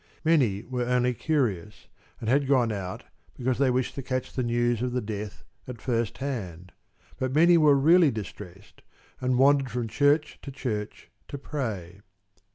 Many were only curious and had gone out because they wished to catch the news of the death at first hand; but many were really distressed and wandered from church to church to pray.